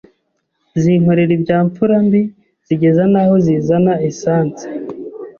zinkorera ibya mfura mbi zigeza n’aho zizana essence